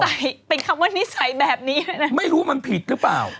หรือเป็นคำว่านิสัยแบบนี้ไม่รู้มันผิดหรือเปล่า